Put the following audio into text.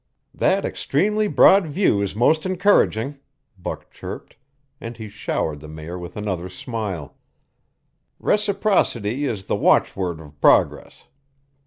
"That extremely broad view is most encouraging," Buck chirped, and he showered the Mayor with another smile. "Reciprocity is the watchword of progress.